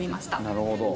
なるほど。